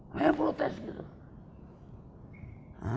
kayak protes gitu